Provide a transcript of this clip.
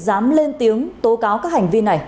dám lên tiếng tố cáo các hành vi này